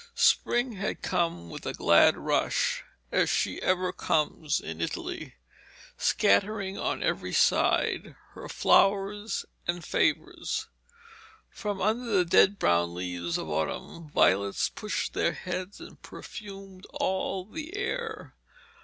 Spring had come with a glad rush, as she ever comes in Italy, scattering on every side her flowers and favours. From under the dead brown leaves of autumn, violets pushed their heads and perfumed all the air.